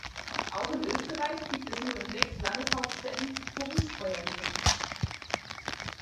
Auch in Österreich gibt es nur in sechs Landeshauptstädten Berufsfeuerwehren.